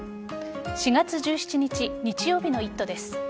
４月１７日日曜日の「イット」です。